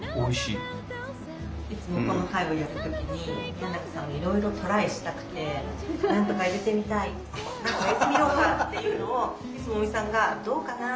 いつもこの会をやる時に宮永さんはいろいろトライしたくて何とか入れてみたい何か入れてみようかっていうのをいつも尾身さんが「どうかな？